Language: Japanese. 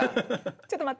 ちょっと待って。